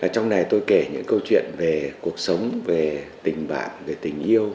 trong này tôi kể những câu chuyện về cuộc sống về tình bạn về tình yêu